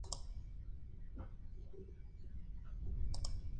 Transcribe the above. Sus especímenes se denominan comúnmente coral champiñón, coral disco u oreja de elefante.